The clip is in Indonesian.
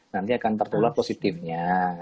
nanti akan tertulah positifnya